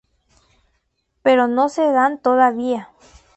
Pero no se dan todavía!